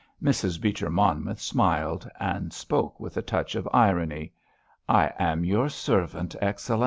Mrs. Beecher Monmouth smiled, and spoke with a touch of irony. "I am your servant, Excellenz!"